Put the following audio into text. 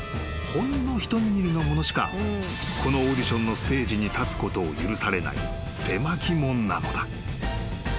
ほんの一握りの者しかこのオーディションのステージに立つことを許されない狭き門なのだ］